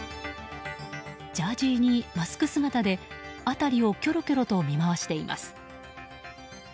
ジャージーにマスク姿で辺りをきょろきょろと見回しています。